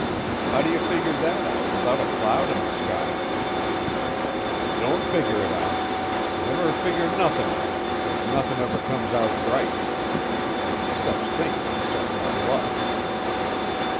"How do you figure that out without a cloud in the sky?" "Don't figure it out. Don't ever figure nothin' out, 'cause nothin' ever comes out right. Only sech things is jus' my luck."